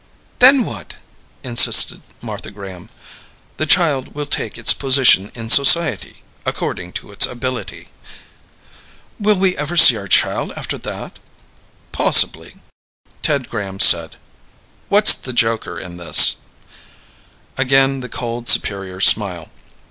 "Then what?" insisted Martha Graham. "The child will take its position in society according to its ability." "Will we ever see our child after that?" "Possibly." Ted Graham said, "What's the joker in this?" Again the cold, superior smile.